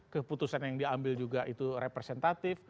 keputusan yang diambil juga itu representatif